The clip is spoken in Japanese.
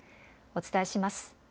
お伝えします。